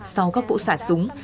sau các vụ sản súng